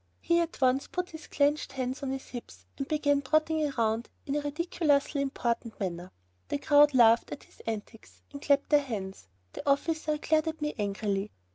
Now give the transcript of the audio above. He at once put his clenched hands on his hips and began trotting around in a ridiculously important manner. The crowd laughed at his antics and clapped their hands. The officer glared at me angrily.